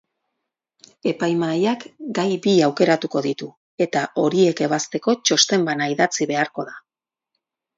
Epaimahaiak gai bi aukeratuko ditu eta horiek ebazteko txosten bana idatzi beharko da.